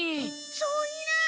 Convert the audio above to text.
そんな。